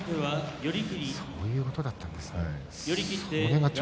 そういうことだったんですね。